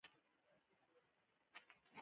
استاد د زدهکړې له لارې ژوند بدلوي.